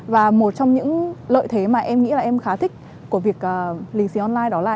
và một trong những lợi thế mà em nghĩ là em khá thích của việc lì xì online đó là